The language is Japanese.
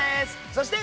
そして。